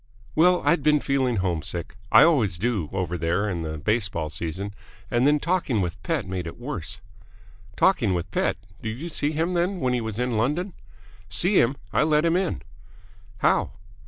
"Well, I'd been feeling homesick I always do over there in the baseball season and then talking with Pett made it worse " "Talking with Pett? Did you see him, then, when he was in London?" "See him? I let him in!" "How?"